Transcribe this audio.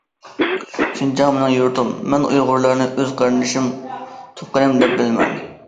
شىنجاڭ مېنىڭ يۇرتۇم، مەن ئۇيغۇرلارنى ئۆز قېرىندىشىم، تۇغقىنىم دەپ بىلىمەن.